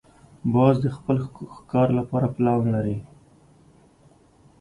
باز د خپل ښکار لپاره پلان لري